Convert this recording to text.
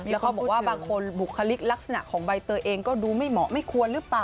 แล้วเขาบอกว่าบางคนบุคลิกลักษณะของใบเตยเองก็ดูไม่เหมาะไม่ควรหรือเปล่า